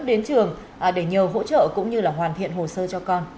đến trường để nhờ hỗ trợ cũng như hoàn thiện hồ sơ cho con